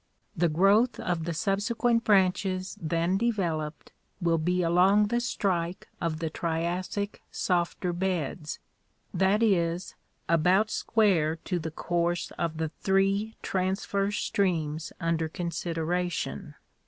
The growth of the subsequent branches then developed, will be along the strike of the Triassic softer beds, that is, about square to the course of the three transverse streams under consideration.